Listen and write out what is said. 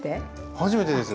初めてです。